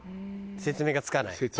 説明がつかない？